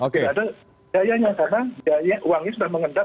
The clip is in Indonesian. tidak ada dayanya karena uangnya sudah mengendap